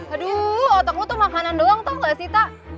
aduh otak lo tuh makanan doang tau nggak sih tak